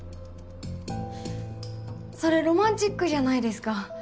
それロマンチックじゃないですか。